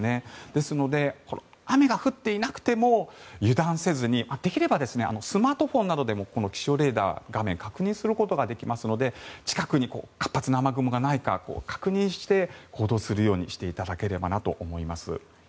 ですので、雨が降っていなくても油断せずにできればスマートフォンなどでも気象レーダーの画面を確認することができますので近くに活発な雨雲がないか確認して行動するようにしていただければと思います。